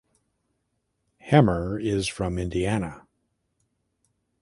Hemmer is from Indiana.